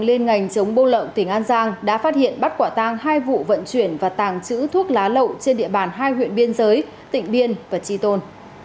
liên ngành chống bô lậu tỉnh an giang đã phát hiện bắt quả tang hai vụ vận chuyển và tàng trữ thuốc lá lậu trên địa bàn hai huyện biên giới tỉnh biên và tri tôn